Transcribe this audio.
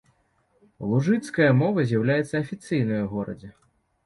Лужыцкая мова з'яўляецца афіцыйнай у горадзе.